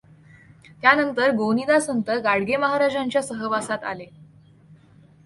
त्यानंतर गोनीदा संत गाडगे महाराजांच्या सहवासात आले.